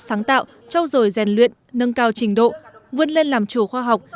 sáng tạo trao dồi rèn luyện nâng cao trình độ vươn lên làm chủ khoa học